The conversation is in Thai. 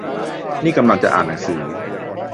นี่กำลังจะอ่านหนังสือ